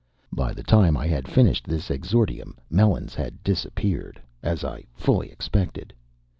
By the time I had finished this exordium, Melons had disappeared, as I fully expected.